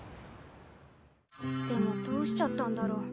でもどうしちゃったんだろう。